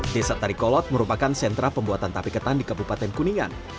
desa tarikolot merupakan sentra pembuatan tape ketan di kabupaten kuningan